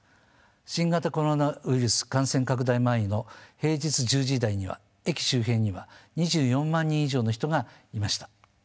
新型コロナウイルス感染拡大前の平日１０時台には駅周辺には２４万人以上の人がいました。